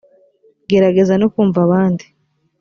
gerageza no kumva abandi .